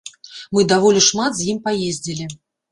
Мы даволі шмат з ім паездзілі.